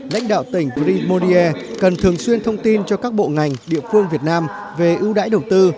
lãnh đạo tỉnh prim modier cần thường xuyên thông tin cho các bộ ngành địa phương việt nam về ưu đãi đầu tư